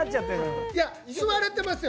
吸われてますよ。